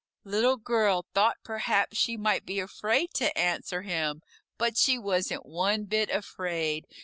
Little Girl thought perhaps she might be afraid to answer him, but she wasn't one bit afraid.